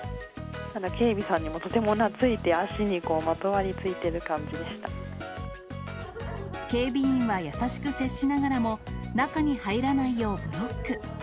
警備員さんにもとても懐いて、足にこう、まとわりついてる感じ警備員は優しく接しながらも、中に入らないようブロック。